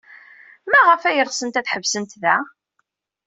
Maɣef ay ɣsent ad ḥebsent da?